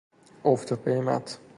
افت قیمت